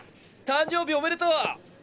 誕生日おめでと！